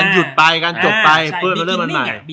ยุดไปการจบไปเพื่อให้มันเริ่มอันใหม่